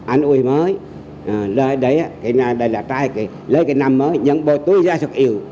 anh ui mới lấy cái năm mới những bộ túi ra sọc yêu